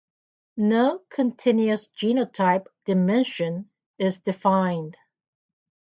No continuous genotype "dimension" is defined.